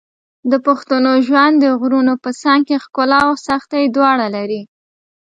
د پښتنو ژوند د غرونو په څنګ کې ښکلا او سختۍ دواړه لري.